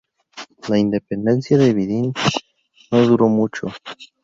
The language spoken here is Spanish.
La independencia de Vidin no duró mucho.